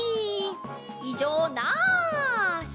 いじょうなし！